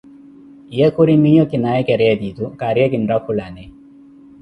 Ye khuri miyo kinaye keretitu, kariye kittakhulane.